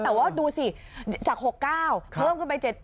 แต่ว่าดูสิจาก๖๙เพิ่มขึ้นไป๗๘